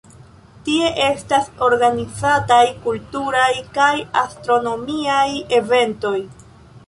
Tie estas organizataj kulturaj kaj astronomiaj eventoj.